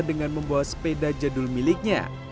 dengan membawa sepeda jadul miliknya